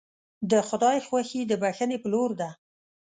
د خدای خوښي د بښنې په لور ده.